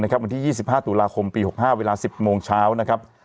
วันที่๒๕ตุลาคมปี๖๕เวลา๑๐โมงเช้านะครับ